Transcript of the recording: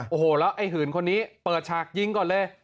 โอ้โหแล้วไอ้หื่นคนนี้เปิดฉากยิงก่อนเลย